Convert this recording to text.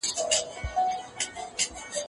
څنګه بې وسه بې وسي ده